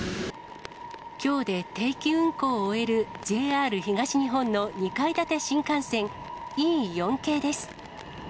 きょうで定期運行を終えるＪＲ東日本の２階建て新幹線、Ｅ４系です。